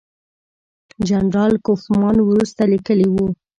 جنرال کوفمان وروسته لیکلي وو.